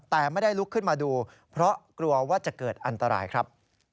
แต่ไม่ได้ลุกขึ้นมาดูเพราะกลัวว่าจะเกิดอันตรายครับ